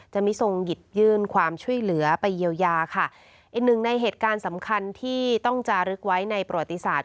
มิทรงหยิบยื่นความช่วยเหลือไปเยียวยาค่ะอีกหนึ่งในเหตุการณ์สำคัญที่ต้องจารึกไว้ในประวัติศาสต